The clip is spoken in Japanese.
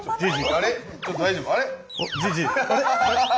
あれ？